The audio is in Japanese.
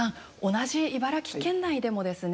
同じ茨城県内でもですね